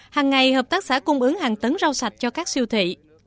hàng ngày hợp tác xã cung ứng hàng tấn rau sạch cho các siêu thị